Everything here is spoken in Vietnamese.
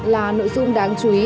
là nội dung đáng chú ý